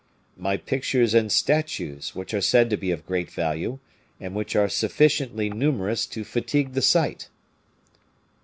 My pictures and statues, which are said to be of great value, and which are sufficiently numerous to fatigue the sight.